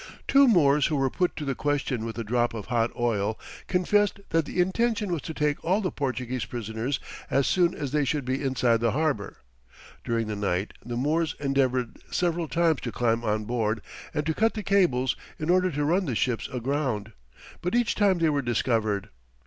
Two Moors who were put to the question with a drop of hot oil, confessed that the intention was to take all the Portuguese prisoners as soon as they should be inside the harbour. During the night the Moors endeavoured several times to climb on board and to cut the cables in order to run the ships aground, but each time they were discovered.